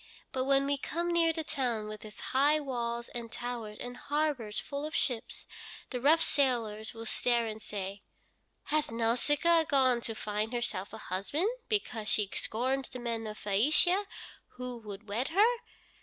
But when we come near the town with its high walls and towers, and harbors full of ships, the rough sailors will stare and say, 'Hath Nausicaa gone to find herself a husband because she scorns the men of Phæacia who would wed her?